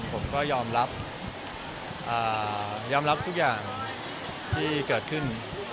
ผมก็ยอมรับยอมรับทุกอย่างที่เกิดขึ้น